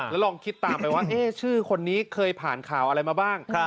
แล้วลองคิดตามไปว่าชื่อคนนี้เคยผ่านข่าวอะไรมาบ้าง